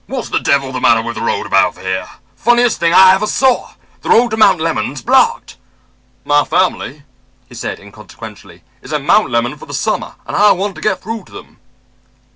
"What the devil's the matter with the road above here? Funniest thing I ever saw. The road to Mount Lemmon's blocked. My family," he said inconsequentially, "is at Mount Lemmon for the summer and I want to get through to them."